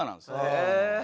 へえ。